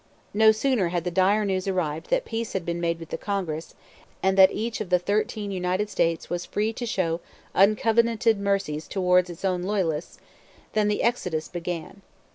No sooner had the dire news arrived that peace had been made with the Congress, and that each of the thirteen United States was free to show uncovenanted mercies towards its own Loyalists, than the exodus began.